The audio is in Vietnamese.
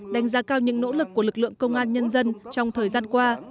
đánh giá cao những nỗ lực của lực lượng công an nhân dân trong thời gian qua